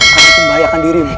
karena itu membahayakan dirimu